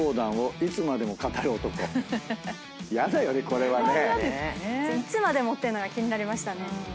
「いつまでも」っていうのが気になりましたね。